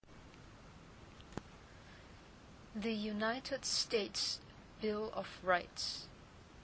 The United States Bill of Rights.